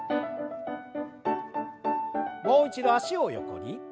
もう一度脚を横に。